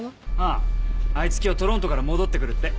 あいつ今日トロントから戻ってくるって。